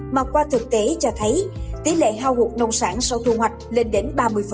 mà qua thực tế cho thấy tỷ lệ hao hụt nông sản sau thu hoạch lên đến ba mươi